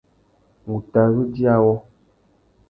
Ngu tà zu djï awô.